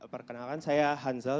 perkenalkan saya hansel